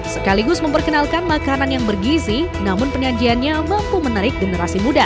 sekaligus memperkenalkan makanan yang bergizi namun penyajiannya mampu menarik generasi muda